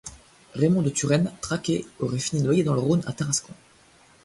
Raymond de Turenne, traqué, aurait fini noyé dans le Rhône à Tarascon.